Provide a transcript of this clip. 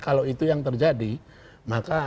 kalau itu yang terjadi maka